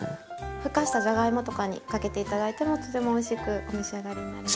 ふかしたじゃがいもとかにかけて頂いてもとてもおいしくお召し上がりになれます。